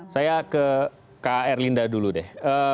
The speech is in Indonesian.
saya ke kak erlinda dulu deh